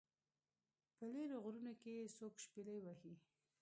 په لیرو غرونو کې یو څوک شپیلۍ وهي